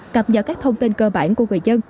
cập nhật các thông tin cơ bản của người dân